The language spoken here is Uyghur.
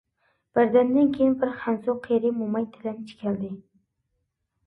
بىردەمدىن كىيىن بىر خەنزۇ قىرى موماي تىلەمچى كەلدى.